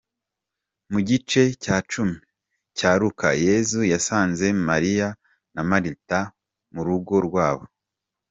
Mu gice cya cumi cya luka, Yesu yasanze Mariya na Marita mu rugo rwabo.